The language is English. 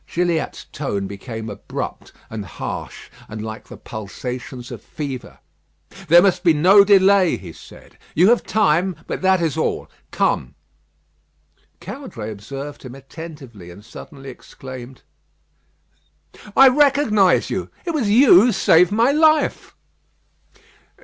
Gilliatt's tone became abrupt and harsh, and like the pulsations of fever. "There must be no delay," he said. "You have time, but that is all. Come." Caudray observed him attentively; and suddenly exclaimed: "I recognise you. It was you who saved my life."